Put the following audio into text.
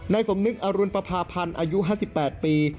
สมนึกอรุณปภาพันธ์อายุ๕๘ปี